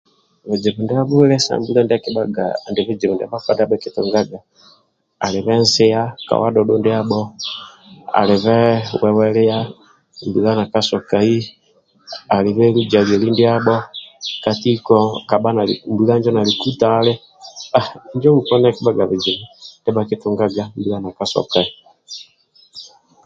Buzibu ndia bwile sa mbula día bhakpa bhakitungaga alibe nsia ka bwa dhudhu ndiabho alibe wewelia mbula nakasokai alibe luza lieli ndiabho katiko kabha naliku tali injo poni ali bizibu mbula kabha nakasokai